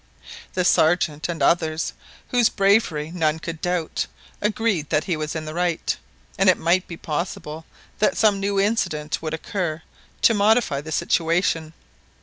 The Sergeant and others, whose bravery none could doubt, agreed that he was in the right, and it might be possible that some new incident would occur to modify the situation.